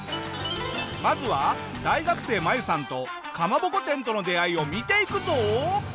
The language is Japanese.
まずは大学生マユさんとかまぼこ店との出会いを見ていくぞ。